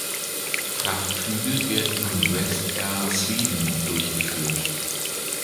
Frachtflüge werden von West Air Sweden durchgeführt.